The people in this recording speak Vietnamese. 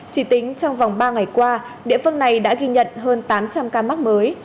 chỉ tính trong vòng ba ngày qua địa phương này đã ghi nhận hơn tám trăm linh ca mắc mới